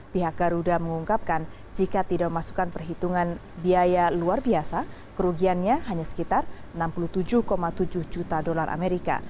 pihak garuda mengungkapkan jika tidak memasukkan perhitungan biaya luar biasa kerugiannya hanya sekitar enam puluh tujuh tujuh juta dolar amerika